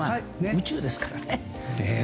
宇宙ですからね。